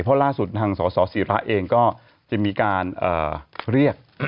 เพราะล่าสุดทางสสิระเองก็จะมีการเรียก